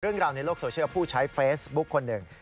เรื่องราวในโลกโซเชียลผู้ใช้เฟซบุ๊คคนหนึ่ง